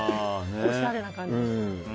おしゃれな感じで。